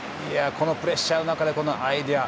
このプレッシャーの中でこのアイデア。